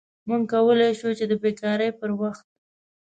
موږ کولی شو چې د بیکارۍ پر وخت